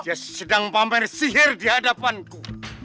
dia sedang pamer sihir di hadapanku